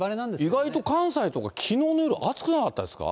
意外と関西とか、きのうの夜、暑くなかったですか？